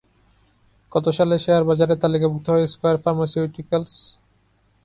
কত সালে শেয়ারবাজারে তালিকাভুক্ত হয় স্কয়ার ফার্মাসিউটিক্যালস?